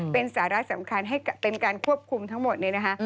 เป็นสาระสำคัญให้เป็นการควบคุมทั้งหมดเนี่ยนะคะ